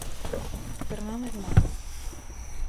Fernández Mato.